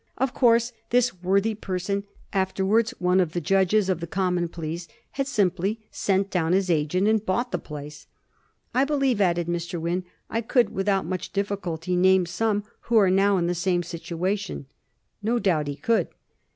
Of course this worthy person, '^ afterwards one of the judges of the Common Pleas," had simply sent down his agent and bought the place. " I believe," added Mr. Wynn, " I could without much difficulty name some who are now in the same situation." No doubt he could.